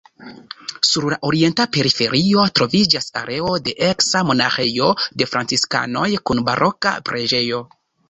Sur la orienta periferio troviĝas areo de eksa monaĥejo de franciskanoj kun baroka preĝejo.